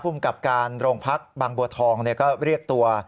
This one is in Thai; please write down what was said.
ภูมิกับการโรงพักบางบัวทองก็เรียกตัว